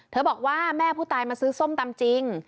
บอกว่าแม่ผู้ตายมาซื้อส้มตำจริง